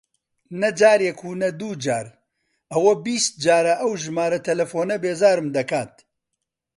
نە جارێک و نە دوو جار، ئەوە بیست جارە ئەو ژمارە تەلەفۆنە بێزارم دەکات.